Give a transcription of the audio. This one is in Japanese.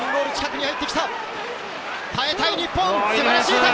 耐えたい日本。